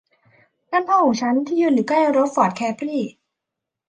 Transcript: นั่นพ่อของฉันที่ยืนอยู่ใกล้รถฟอร์ดเคปรี